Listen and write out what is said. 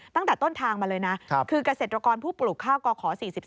ตั้งแต่ต้นทางมาเลยนะคือเกษตรกรผู้ปลูกข้าวกข๔๔